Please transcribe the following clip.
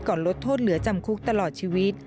ลดโทษเหลือจำคุกตลอดชีวิต